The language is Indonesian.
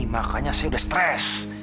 makanya saya udah stres